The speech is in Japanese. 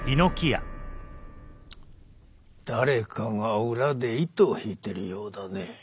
誰かが裏で糸を引いてるようだね。